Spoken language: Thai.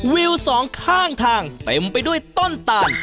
วิวสองข้างทางเต็มไปด้วยต้นตาล